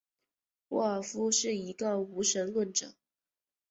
沃尔夫是一个无神论者。